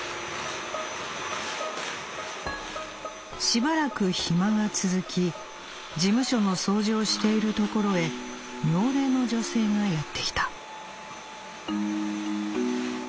「しばらく暇が続き事務所の掃除をしているところへ妙齢の女性がやってきた」。